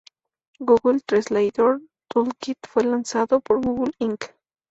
Google Translator Toolkit fue lanzado por Google Inc.